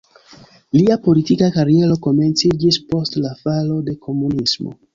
Lia politika kariero komenciĝis post la falo de komunismo.